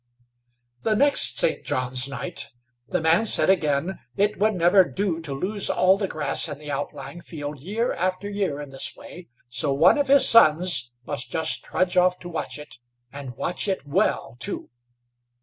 The next St. John's night, the man said again, it would never do to lose all the grass in the outlying field year after year in this way, so one of his sons must just trudge off to watch it, and watch it well too.